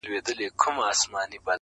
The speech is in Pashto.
• خو درد د ذهن له ژورو نه وځي هېڅکله,